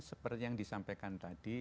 seperti yang disampaikan tadi